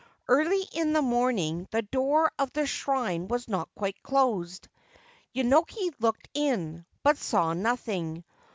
Early in the morning the door of the shrine was not quite closed. Yenoki looked in, but saw nothing.